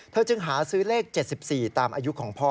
จึงหาซื้อเลข๗๔ตามอายุของพ่อ